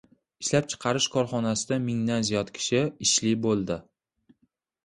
Ishlab chiqarish korxonasida mingdan ziyod kishi ishli bo‘ldi